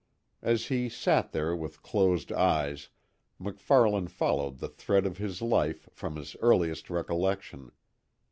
As he sat there with closed eyes MacFarlane followed the thread of his life from his earliest recollection.